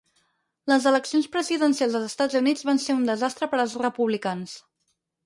Les eleccions presidencials dels Estats Units van ser un desastre per als republicans.